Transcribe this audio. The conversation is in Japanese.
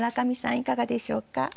いかがでしょうか？